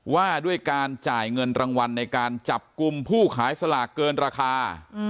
ว่าด้วยการจ่ายเงินรางวัลในการจับกลุ่มผู้ขายสลากเกินราคา